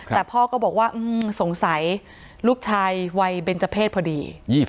แต่พ่อก็บอกว่าสงสัยลูกชายวัยเบนเจอร์เพศพอดี